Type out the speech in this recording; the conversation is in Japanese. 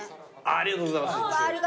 ありがとうございます。